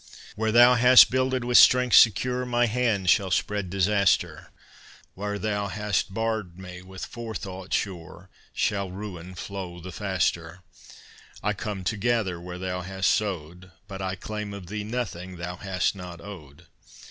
"Where thou hast builded with strength secure, My hand shall spread disaster; Where thou hast barr'd me, with forethought sure, Shall ruin flow the faster; I come to gather where thou hast sowed, But I claim of thee nothing thou hast not owed!